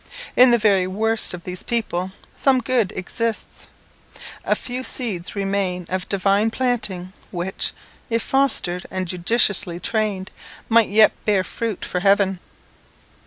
In the very worst of these people some good exists. A few seeds remain of divine planting, which, if fostered and judiciously trained, might yet bear fruit for heaven.